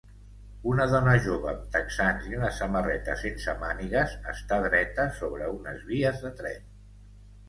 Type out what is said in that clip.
Una dona jove amb texans i una samarreta sense mànigues està dreta sobre unes vies de tren.